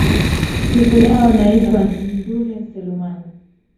siku yao naitwa nurdin selumani